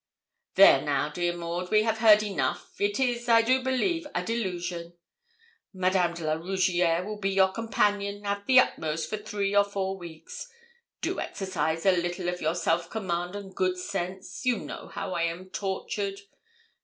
'There now, dear Maud, we have heard enough; it is, I do believe, a delusion. Madame de la Rougierre will be your companion, at the utmost, for three or four weeks. Do exercise a little of your self command and good sense you know how I am tortured.